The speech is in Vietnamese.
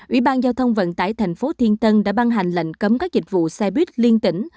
ủy ban giao thông vận tải thành phố thiên tân đã ban hành lệnh cấm các dịch vụ xe buýt liên tỉnh